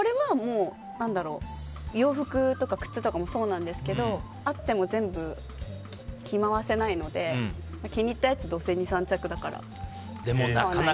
洋服とか靴とかもそうですがあっても全部、着回せないので気に入ったやつはどうせ２３着だから。